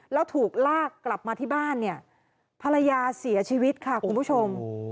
แล้วถูกลากกลับมาที่บ้านเนี่ยภรรยาเสียชีวิตค่ะคุณผู้ชม